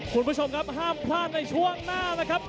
คุณผู้ชมครับห้ามพลาดในช่วงหน้านะครับ